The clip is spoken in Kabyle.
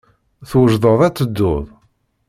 Twejdeḍ ad tedduḍ?